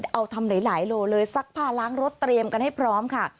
เอาทำหลายโลเลยซักผ้าล้างรถเตรียมกันให้พร้อมค่ะ